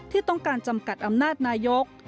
ที่ต้องการจำกัดอำนาจนายก